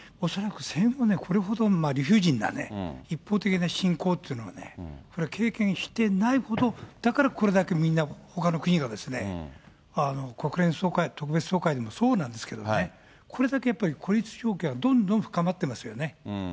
恐らく戦後、これほど理不尽なね、一方的な侵攻っていうのはね、経験してないほど、だから、これだけみんな、ほかの国が国連総会、特別総会でもそうなんですけどもね、これだけやっぱり、孤立する空気がどんどん深まってますよね。